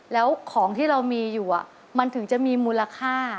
แล้วของที่เรามีอยู่มันถึงจะมีมูลค่า